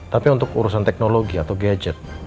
tapi untuk urusan teknologi atau gadget